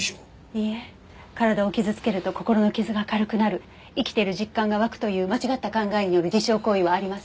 いいえ体を傷つけると心の傷が軽くなる生きてる実感がわくという間違った考えによる自傷行為はあります。